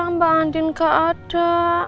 mbak andin gak ada